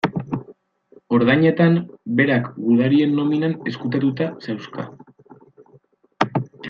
Ordainetan, berak gudarien nominan ezkutatuta zauzka.